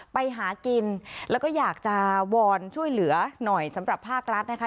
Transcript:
ไปหากินแล้วก็อยากจะวอนช่วยเหลือหน่อยสำหรับภาครัฐนะคะ